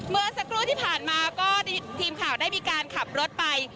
เมื่อสักครู่ที่ผ่านมาก็ทีมข่าวได้มีการขับรถไป